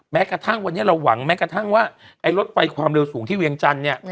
แม้กระทั่งวันนี้เราหวังแม้กระทั่งว่าไอ้รถไฟความเร็วสูงที่เวียงจันทร์เนี่ย